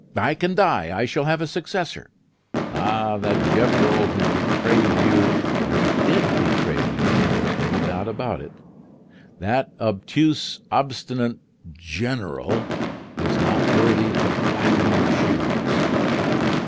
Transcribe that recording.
I can die; I shall have a successor. Ah! that Gevrol who betrayed you for he did betray you, there's no doubt about it that obtuse, obstinate 'General' is not worthy to blacken your shoes!"